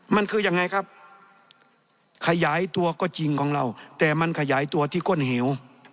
มันคือยังไงครับขยายตัวก็จริงของเราแต่มันขยายตัวที่ก้นเหว